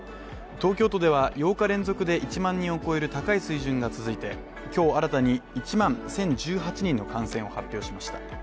東京都では８日連続で１万人を超える高い水準が続いて今日新たに１万１０１８人の感染を発表しました。